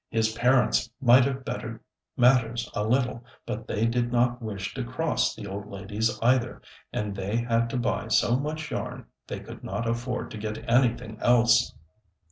His parents might have bettered matters a little, but they did not wish to cross the old ladies either, and they had to buy so much yarn they could not afford to get anything else.